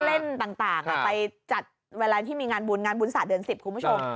เล่นต่างไปจัดเวลาที่มีงานบุญงานบุญศาสตร์เดือน๑๐คุณผู้ชม